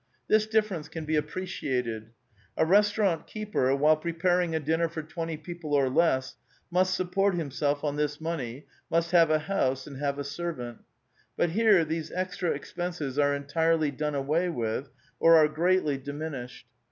This difference can be appreciated ; a restaurant keeper, while preparing a dinner for twenty people or less, must support himself on this money, must have a house, and have a ser vant. But here these extra expenses are entirely done away with, or are greatly diminished.